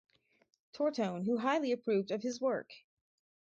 Tortone, who highly approved of his work.